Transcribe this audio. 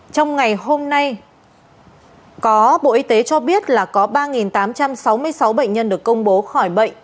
trong ngày hôm nay có bộ y tế cho biết là có ba tám trăm sáu mươi sáu bệnh nhân được công bố khỏi bệnh